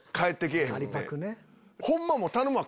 ホンマ頼むわ！